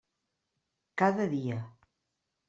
Cada dia.